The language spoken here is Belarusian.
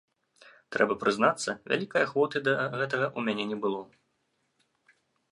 Трэба прызнацца, вялікай ахвоты да гэтага ў мяне не было.